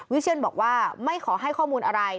เชียนบอกว่าไม่ขอให้ข้อมูลอะไร